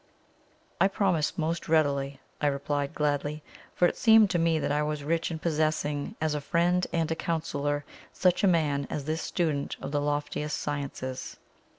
"I promise most readily," I replied gladly, for it seemed to me that I was rich in possessing as a friend and counsellor such a man as this student of the loftiest sciences.